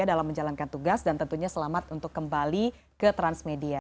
dan tentunya selamat untuk kembali ke transmedia